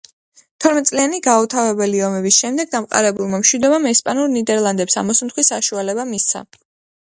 თორმეტწლიანი გაუთავებელი ომების შემდეგ დამყარებულმა მშვიდობამ ესპანურ ნიდერლანდებს ამოსუნთქვის საშუალება მისცა.